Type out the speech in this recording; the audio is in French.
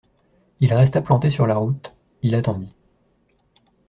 Il resta planté sur la route, il attendit.